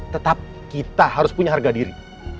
tetap kita harus punya harga diri